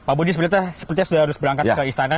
pak budi sebenarnya sepertinya sudah harus berangkat ke istana